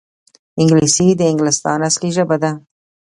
انګلیسي د انګلستان اصلي ژبه ده